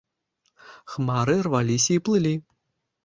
Хмары рваліся і плылі.